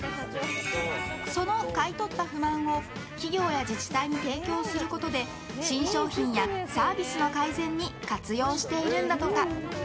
その買い取った不満を企業や自治体に提供することで新商品やサービスの改善に活用しているんだとか。